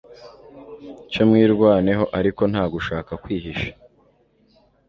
cyo mwirwaneho ariko nta gushaka kwihisha